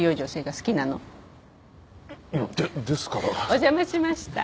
お邪魔しました。